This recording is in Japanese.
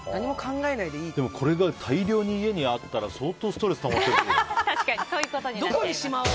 これが大量に家にあったら相当ストレスたまってるのかな。